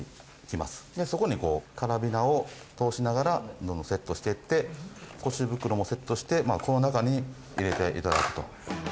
そこにこうカラビナを通しながらどんどんセットしていって腰袋もセットしてこの中に入れて頂くと。